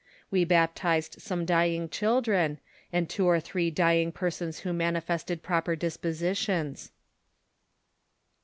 We baptized some dying children, and two or hree dying per sons who manifested proper dispositions.